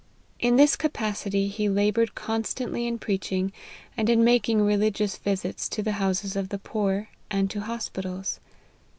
In this capacity he laboured constantly in preaching, and in making religious visits to the houses of the poor, and to hospitals.